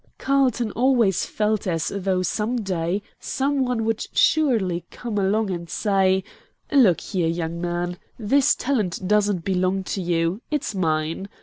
Carlton always felt as though some day some one would surely come along and say: "Look here, young man, this talent doesn't belong to you; it's mine.